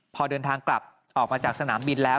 พอเดินทางกลับออกมาจากสนามบินแล้ว